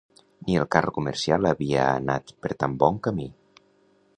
...ni el carro comercial havia anat per tant bon camí.